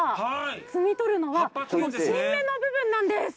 摘み取るのは、この新芽の部分なんです。